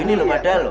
ini belum ada loh